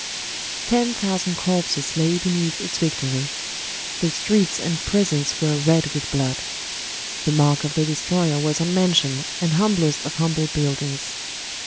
Ten thousand corpses lay beneath its Victory ; the streets and prisons were red with blood ; the mark of the destroyer was on mansion and humblest of humble buildings.